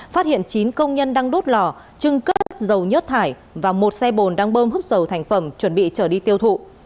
phát hiện chín công nhân đang đốt lò trưng cất dầu nhất thải và một xe bồn đang bơm hút dầu thành phẩm chuẩn bị trở đi tiêu thụ